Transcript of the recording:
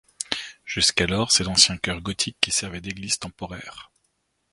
Jusqu'alors, c'est l'ancien chœur gothique qui servait d'église temporaire.